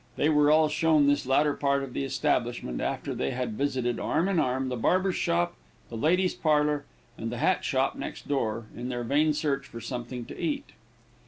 They were all shown this latter part of the establishment, after they had visited, arm in arm, the barber's shop, the ladies' parlor, and the hat shop next door, in their vain search for something to eat.